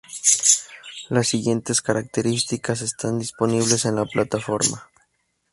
Las siguientes características están disponibles en la plataforma.